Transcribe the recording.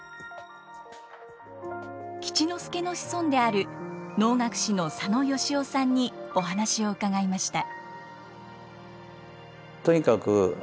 吉之助の子孫である能楽師の佐野由於さんにお話を伺いました。